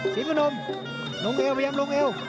พนมลงเอวพยายามลงเอว